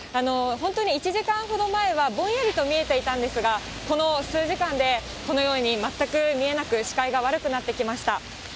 本当に１時間ほど前は、ぼんやりと見えていたんですが、この数時間で、このように全く見えなく、視界が悪くなってきました。